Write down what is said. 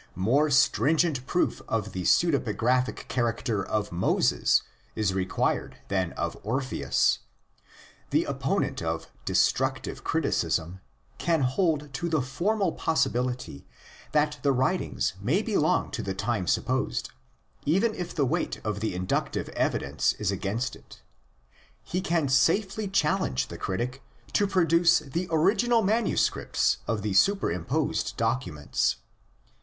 More stringent proof of the pseudepigraphic character of Moses is required than of Orpheus. The opponent of '' destructive criticism'' can hold to the formal possibility that the writings may belong to the time BIBLICAL CRITICISM AND ITS VERIFICATION 8 supposed, even if the weight of the inductive evidence is against it. He can safely challenge the critic to produce the original manuscripts of the superimposed documents.